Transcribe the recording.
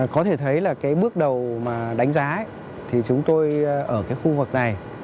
có thể thấy là cái bước đầu mà đánh giá thì chúng tôi ở cái khu vực này